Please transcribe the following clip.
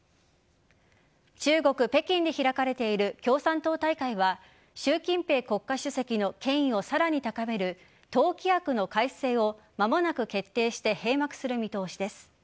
中国・北京で開かれている共産党大会は習近平国家主席の権威をさらに高める党規約の改正を間もなく決定して閉幕する見通しです。